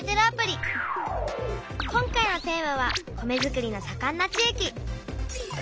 今回のテーマは「米づくりのさかんな地いき」。